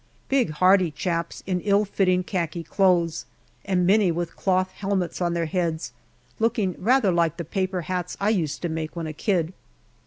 Big, hardy chaps, in ill fitting khaki clothes, and many with cloth helmets on their heads, looking rather like the paper hats I used to make when a kid.